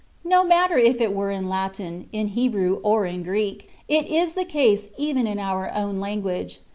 No matter if it were in Latin, in Hebrew, or in Greek: it is the case even in our own language.